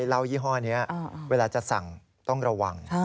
เหล้ายี่ห้อนี้เวลาจะสั่งต้องระวัง